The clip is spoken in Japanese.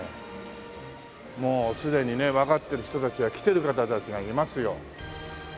もうすでにねわかってる人たちは来てる方たちがいますよ。